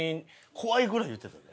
怖いぐらい言うてたで。